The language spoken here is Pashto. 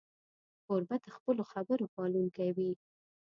کوربه د خپلو خبرو پالونکی وي.